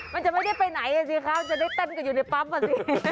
มันจะไม่ได้ไปไหนอ่ะสิคะจะได้เต้นกันอยู่ในปั๊มอ่ะสิ